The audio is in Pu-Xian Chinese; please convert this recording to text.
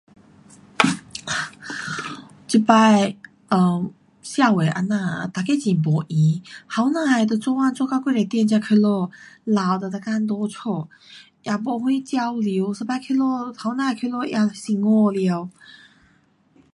um 这次 um 社会这样，每个很没空，年轻的就做工做到几十点才回家，老就每天在家，也没啥交流，一次回家年轻的回家也是疲劳了。